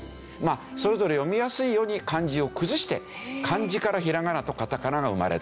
それぞれ読みやすいように漢字を崩して漢字からひらがなとカタカナが生まれた。